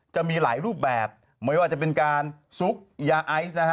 จะมีหลายรูปแบบไม่ว่าจะเป็นการซุกยาไอซ์นะฮะ